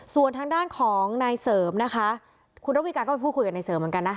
ส่วนทางด้านของนายเสริมนะคะคุณระวีการก็ไปพูดคุยกับนายเสริมเหมือนกันนะ